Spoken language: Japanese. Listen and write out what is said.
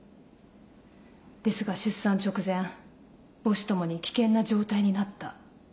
ですが出産直前母子共に危険な状態になった。